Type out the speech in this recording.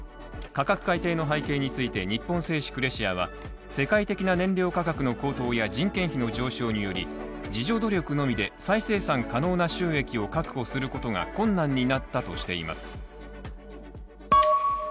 価格改定の背景について日本製紙クレシアは世界的な燃料価格の高騰や人件費の上昇により、自助努力のみで、再生産可能な収益を確保することが困難になったとしています。